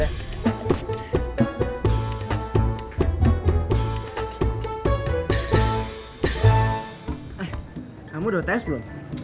kamu udah tes belum